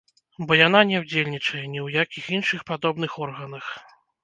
Бо яна не ўдзельнічае ні ў якіх іншых падобных органах.